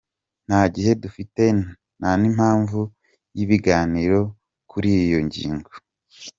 Nta gihe dufite nta n’impamvu y’ibiganiro kuri iyo ngingo.